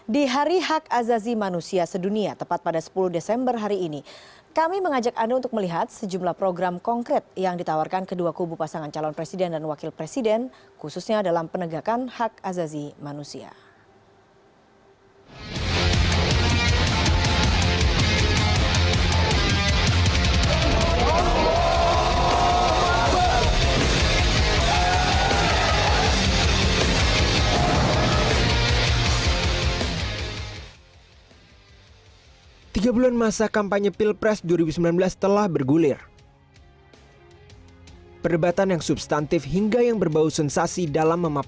di hari hak azazi manusia sedunia tepat pada sepuluh desember hari ini kami mengajak anda untuk melihat sejumlah program konkret yang ditawarkan kedua kubu pasangan calon presiden dan wakil presiden khususnya dalam penegakan hak azazi manusia